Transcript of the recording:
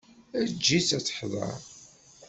Eǧǧ-itt ad tehder!